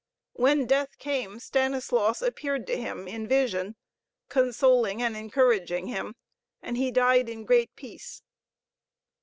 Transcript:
When death came, Stanislaus appeared to him in vision, consoling and encouraging him, and he died in great peace.